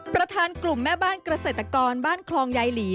ประธานกลุ่มแม่บ้านเกษตรกรบ้านคลองยายหลี